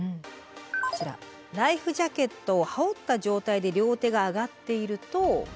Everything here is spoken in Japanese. こちらライフジャケットを羽織った状態で両手が上がっていると。